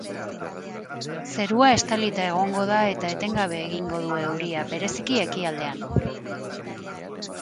Zerua estalita egongo da eta etengabe egingo du euria, bereziki ekialdean.